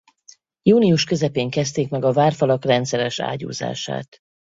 Június közepén kezdték meg a várfalak rendszeres ágyúzását.